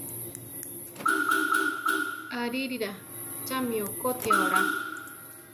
Aririra! chami okotia olá.